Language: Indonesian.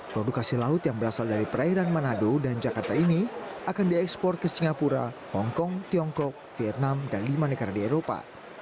produk hasil laut yang berasal dari perairan manado dan jakarta ini akan diekspor ke singapura hongkong tiongkok vietnam dan lima negara di eropa